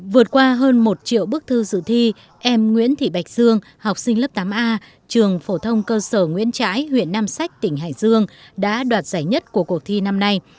vượt qua hơn một triệu bức thư dự thi em nguyễn thị bạch dương học sinh lớp tám a trường phổ thông cơ sở nguyễn trãi huyện nam sách tỉnh hải dương đã đoạt giải nhất của cuộc thi năm nay